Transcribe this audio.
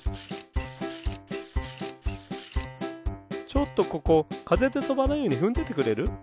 ちょっとここかぜでとばないようにふんどいてくれる？